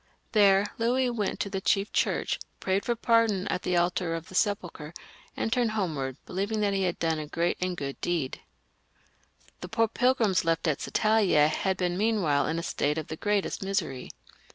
There Louis went to the chief church, prayed for pardon at the altar of the Sepulchre, and turned homewards, believing that he had done a great and good deed. XV.] LOUIS VIL {LE JEUNE\ 87 The poor pilgrims left at Satalia had been meanwhile in a state of the greatest misery.